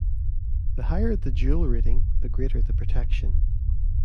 The higher the joule rating, the greater the protection.